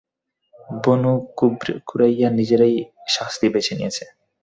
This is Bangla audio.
বনু কুরাইযা নিজেরাই শাস্তি বেছে নিয়েছে।